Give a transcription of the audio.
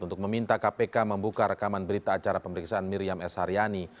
untuk meminta kpk membuka rekaman berita acara pemeriksaan miriam s haryani